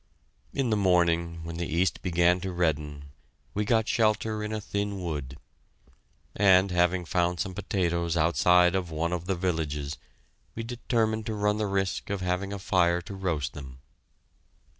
In the morning, when the east began to redden, we got shelter in a thin wood, and, having found some potatoes outside of one of the villages, we determined to run the risk of having a fire to roast them.